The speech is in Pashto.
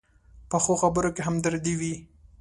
پخو خبرو کې همدردي وي